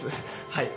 はい。